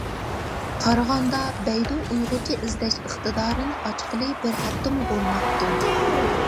قارىغاندا بەيدۇ ئۇيغۇرچە ئىزدەش ئىقتىدارىنى ئاچقىلى بىر ھەپتىمۇ بولماپتۇ.